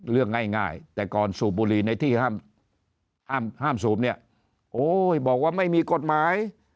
เรื่องง่ายแต่ก่อนสูบบุหรี่ในที่ห้ามสูบเนี่ยโอ้ยบอกว่าไม่มีกฎหมาย